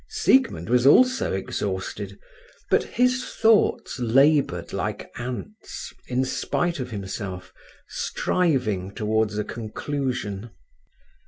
Siegmund was also exhausted; but his thoughts laboured like ants, in spite of himself, striving towards a conclusion.